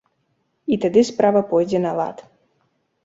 І тады справа пойдзе на лад.